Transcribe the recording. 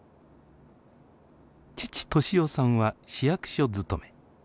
父利雄さんは市役所勤め。